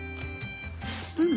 うん。